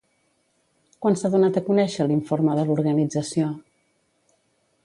Quan s'ha donat a conèixer l'informe de l'Organització?